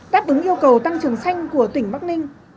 táp ứng yêu cầu tăng trưởng xanh của tỉnh bắc ninh